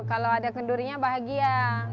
kalau ada kendurinya bahagia